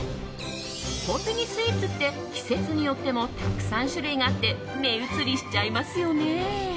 コンビニスイーツって季節によってもたくさん種類があって目移りしちゃいますよね。